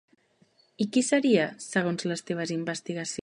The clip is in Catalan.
I qui seria, segons les teves investigacions cartomàntiques?